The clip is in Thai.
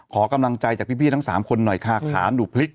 ขอกำลังใจจากพี่ทั้ง๓คนหน่อยค่ะขาหนูพลิก